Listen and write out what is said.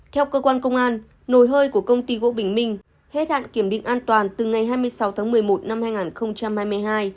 theo cơ quan công an nồi hơi của công ty gỗ bình minh hết hạn kiểm định an toàn từ ngày hai mươi sáu tháng một mươi một năm hai nghìn hai mươi hai